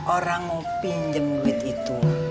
orang mau pinjem duit itu